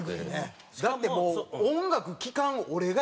だってもう音楽聴かん俺がやで。